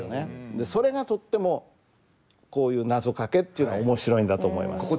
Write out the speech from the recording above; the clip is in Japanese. でそれがとってもこういうなぞかけっていうのは面白いんだと思います。